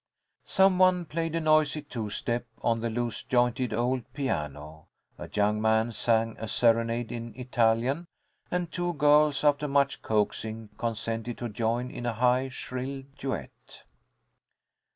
Some one played a noisy two step on the loose jointed old piano. A young man sang a serenade in Italian, and two girls, after much coaxing, consented to join in a high, shrill duet.